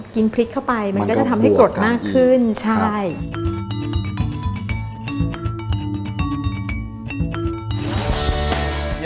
กินพริกเข้าไปมันก็จะทำให้กรดมากขึ้นใช่มันก็ควบคันอีก